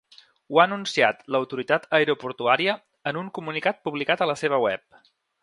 Ho ha anunciat l’autoritat aeroportuària en un comunicat publicat a la seva web.